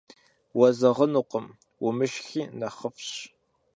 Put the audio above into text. Уэзэгъынукъым, умышхи нэхъыфӏщ.